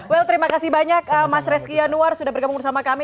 well terima kasih banyak mas reski yanuar sudah bergabung bersama kami